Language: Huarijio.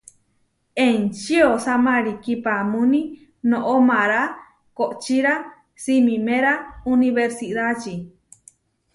Enči osá marikí paamúni noʼo mará kohčíra simiméra unibersidáči.